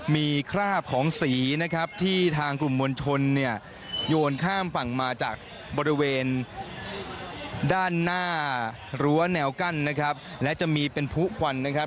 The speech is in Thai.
มีคราบของสีนะครับที่ทางกลุ่มวลชนเนี่ยโยนข้ามฝั่งมาจากบริเวณด้านหน้ารั้วแนวกั้นนะครับ